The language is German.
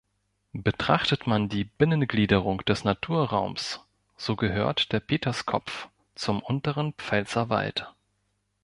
Betrachtet man die Binnengliederung des Naturraums, so gehört der Peterskopf zum Unteren Pfälzer Wald.